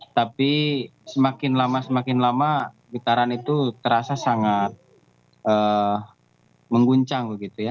tapi semakin lama semakin lama getaran itu terasa sangat mengguncang begitu ya